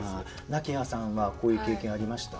菜希亜さんはこういう経験ありました？